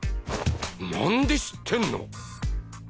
何で知ってんの？